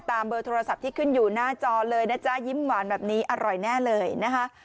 เบอร์โทรศัพท์ที่ขึ้นอยู่หน้าจอเลยนะจ๊ะยิ้มหวานแบบนี้อร่อยแน่เลยนะคะ